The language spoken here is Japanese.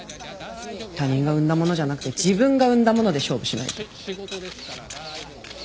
他人が生んだものじゃなくて自分が生んだもので勝負しないと。